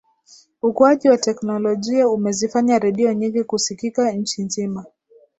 ukuaji wa teknolojia umezifanya redio nyingi kusikika nchi nzima